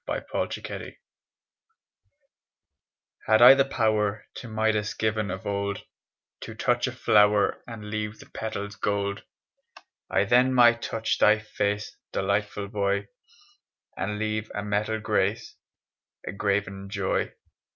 THE QUEEN'S SONG Had I the power To Midas given of old To touch a flower And leave the petals gold I then might touch thy face, Delightful boy, And leave a metal grace, A graven joy.